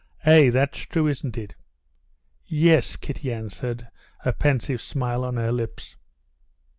Eh? that's true, isn't it?" "Yes," Kitty answered, a pensive smile in her eyes.